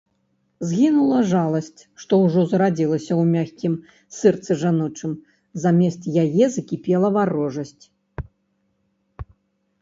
Згінула жаласць, што ўжо зарадзілася ў мяккім сэрцы жаночым, замест яе закіпела варожасць.